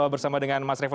bersama dengan mas revo